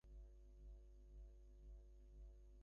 আমি একাধারে একজন পরিচালক, লেখক, প্রযোজক এবং নায়িকা।